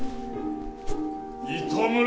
糸村！